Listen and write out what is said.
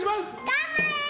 頑張れー！